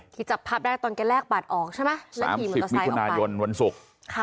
ที่จับพับได้ตอนการแลกปาดออกใช่มะสามสิบมิถุนายนวันศุกร์ค่ะ